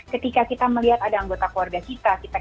ketika kita melihat ada anggota keluarga kita